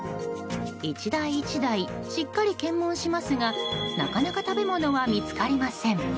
１台１台しっかり検問しますがなかなか食べ物は見つかりません。